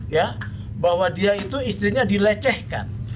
ya bahwa dia itu istrinya dilecehkan